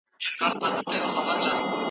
ټولنیز مهارتونه مو په اړیکو کي پیاوړي کړئ.